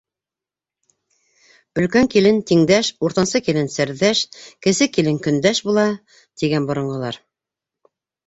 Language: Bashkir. Өлкән килен тиңдәш, уртансы килен серҙәш, кесе килен көндәш була, тигән боронғолар.